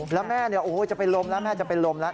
แล้วแม่จะเป็นลมแล้วแม่จะเป็นลมแล้ว